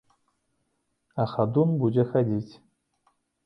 А хадун будзе хадзіць.